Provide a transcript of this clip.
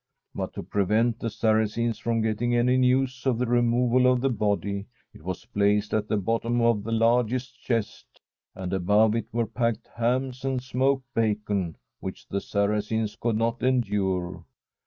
But to prevent the Saracens from getting any news of the removal of the body, it was placed at the bottom of a large chest, and above it were packed hams and smoked bacon, which the Saracens could not endure.